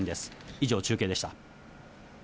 以上、中継でした。